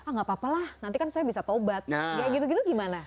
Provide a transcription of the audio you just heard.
nanti saya bisa tobat tidak begitu begitu bagaimana